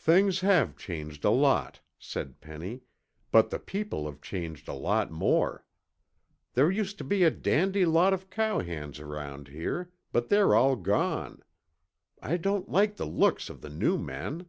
"Things have changed a lot," said Penny, "but the people have changed a lot more. There used to be a dandy lot of cowhands around here, but they're all gone. I don't like the looks of the new men."